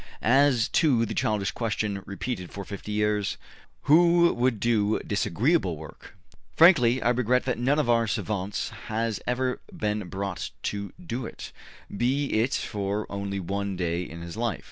As to the childish question, repeated for fifty years: `Who would do disagreeable work?' frankly I regret that none of our savants has ever been brought to do it, be it for only one day in his life.